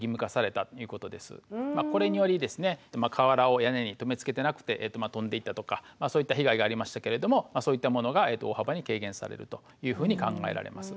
瓦を屋根に留めつけてなくて飛んでいったとかそういった被害がありましたけれどもそういったものが大幅に軽減されるというふうに考えられます。